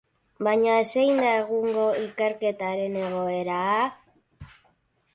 Baina zein da egungo ikerketaren egoera?